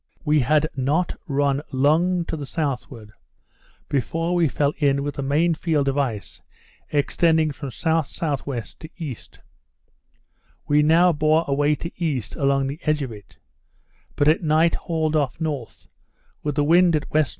We had not run long to the southward before we fell in with the main field of ice extending from S.S.W. to E. We now bore away to east along the edge of it; but at night hauled off north, with the wind at W.N.